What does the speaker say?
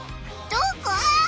どこ？